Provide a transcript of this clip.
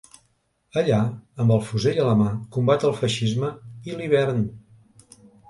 Allà, amb el fusell a la mà, combat el feixisme i l’hivern.